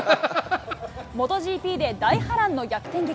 モトＧＰで大波乱の逆転劇。